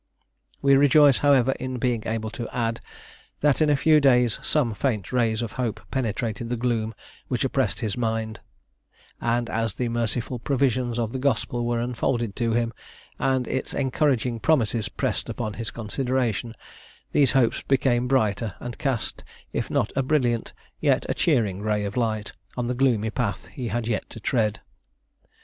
We rejoice however in being able to add, that in a few days some faint rays of hope penetrated the gloom which oppressed his mind; and as the merciful provisions of the gospel were unfolded to him, and its encouraging promises pressed upon his consideration, these hopes became brighter, and cast, if not a brilliant, yet a cheering ray of light on the gloomy path he had yet to tread.